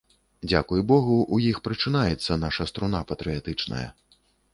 Дзякуй богу, у іх прачынаецца наша струна патрыятычная.